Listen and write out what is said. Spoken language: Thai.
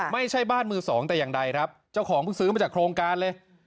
ไม่ใช่บ้านมือสองแต่อย่างใดครับเจ้าของเพิ่งซื้อมาจากโครงการเลย